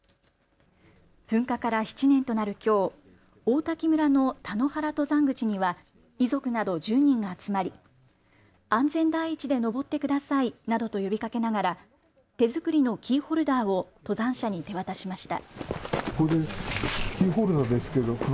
噴火から７年となるきょう、王滝村の田の原登山口には遺族など１０人が集まり、安全第一で登ってくださいなどと呼びかけながら手作りのキーホルダーを登山者に手渡しました。